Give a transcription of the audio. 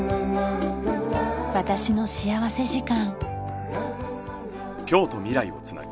『私の幸福時間』。